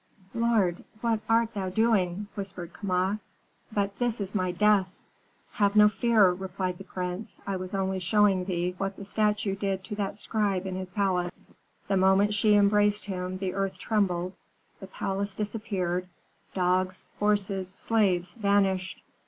"Lord, what art thou doing?" whispered Kama. "But this is my death." "Have no fear," replied the prince; "I was only showing thee what the statue did to that scribe in his palace. The moment she embraced him the earth trembled, the palace disappeared, dogs, horses, slaves vanished.